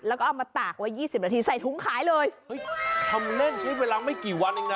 แล้วก็เอามาตากไว้ยี่สิบนาทีใส่ถุงขายเลยเฮ้ยทำเล่นใช้เวลาไม่กี่วันเองนะ